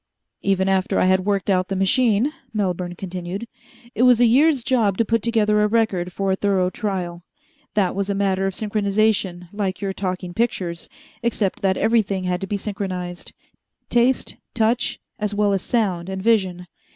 "Even after I had worked out the machine," Melbourne continued, "it was a year's job to put together a record for a thorough trial. That was a matter of synchronization like your talking pictures, except that everything had to be synchronized taste touch as well as sound and vision.